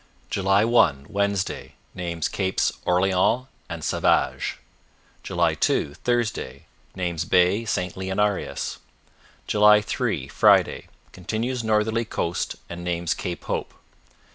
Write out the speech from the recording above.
July 1 Wednesday Names Capes Orleans and Savages. " 2 Thursday Names Bay St Leonarius. " 3 Friday Continues northerly course and names Cape Hope.